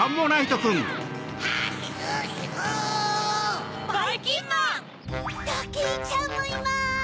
ドキンちゃんもいます！